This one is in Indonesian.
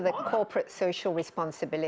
pertanggung jawab sosial korporat